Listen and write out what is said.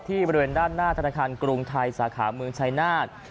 บริเวณด้านหน้าธนาคารกรุงไทยสาขาเมืองชายนาฏ